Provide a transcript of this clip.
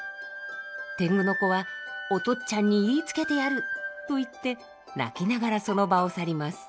天狗の子は「おとっちゃんに言いつけてやる！」と言って泣きながらその場を去ります。